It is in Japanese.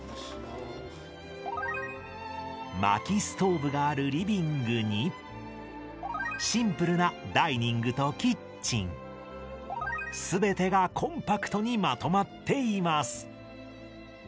薪ストーブがあるリビングにシンプルな全てがコンパクトにまとまっています